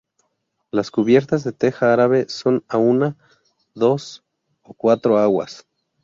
Las cubiertas de teja árabe, son a una, dos, o cuatro aguas.